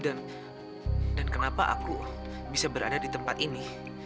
dan kenapa aku bisa berada di tempat ini